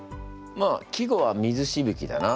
まあ季語は水しぶきだな。